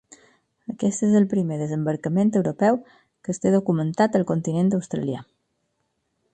Aquest és el primer desembarcament europeu que es té documentat al continent australià.